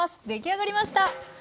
出来上がりました！